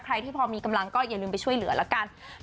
ที่พอมีกำลังก็อย่าลืมไปช่วยเหลือละกัน